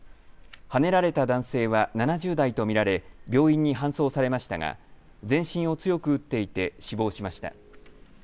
はねられた男性は７０代と見られ病院に搬送されましたが全身を強く打っていて死亡しました。